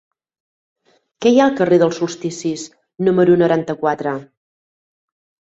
Què hi ha al carrer dels Solsticis número noranta-quatre?